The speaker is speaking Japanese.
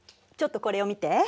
ちょっとこれを見て。